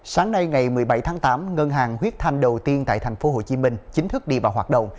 sáng nay ngày một mươi bảy tháng tám ngân hàng huyết thanh đầu tiên tại thành phố hồ chí minh chính thức đi và hoạt động